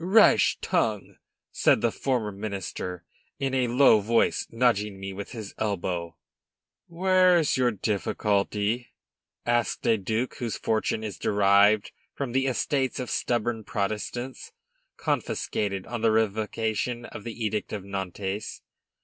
"Rash tongue!" said the former minister, in a low voice, nudging me with his elbow. "Where's your difficulty?" asked a duke whose fortune is derived from the estates of stubborn Protestants, confiscated on the revocation of the Edict of Nantes.